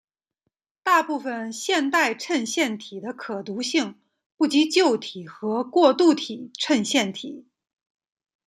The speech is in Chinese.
大部分现代衬线体的可读性不及旧体和过渡体衬线体。